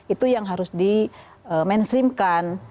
itu yang harus di mainstreamkan